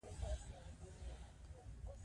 نه کنجوس اوسئ نه مسرف.